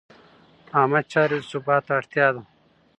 عامه چارې د ثبات اړتیا ده.